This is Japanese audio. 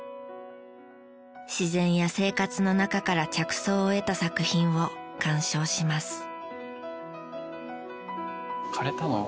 自然や生活の中から着想を得た作品を鑑賞します。